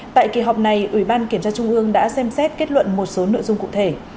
tại kỳ họp này ủy ban kiểm tra trung ương đã xem xét kết luận một số nội dung cụ thể